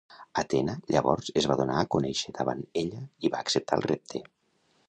Atena llavors es va donar a conèixer davant ella i va acceptar el repte.